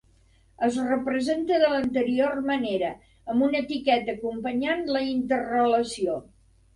Es representa de l'anterior manera, amb una etiqueta acompanyant la interrelació.